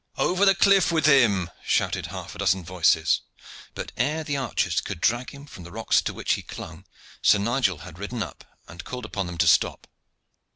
"Over the cliff with him!" shouted half a dozen voices; but ere the archers could drag him from the rocks to which he clung Sir Nigel had ridden up and called upon them to stop.